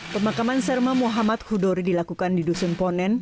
pemakaman serma muhammad hudori dilakukan di dusun ponen